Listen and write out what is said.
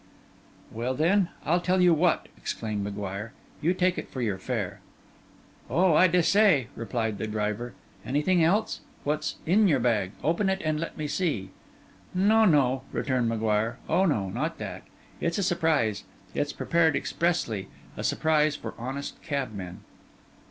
'Well, then, I'll tell you what,' exclaimed M'Guire; 'you take it for your fare!' 'Oh, I dessay,' replied the driver. 'Anything else? What's in your bag? Open it, and let me see.' 'No, no,' returned M'Guire. 'Oh no, not that. It's a surprise; it's prepared expressly: a surprise for honest cabmen.